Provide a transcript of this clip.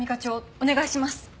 お願いします！